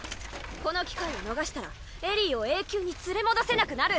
この機会を逃したらエリーを永久に連れ戻せなくなる。